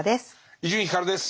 伊集院光です。